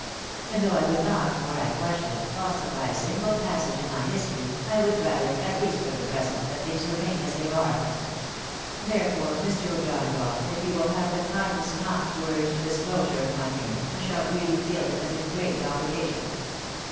And though I would not, were I questioned, falsify a single passage in my history, I would rather, at least for the present, that things remained as they are. Therefore, Mr. O'Donagough, if you wUl have the kindness not to urge the disclosure of my name, I shall really feel it as a great obligation."